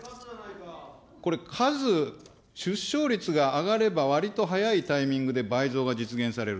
これ数、出生率が上がれば、わりと早いタイミングで倍増が実現される。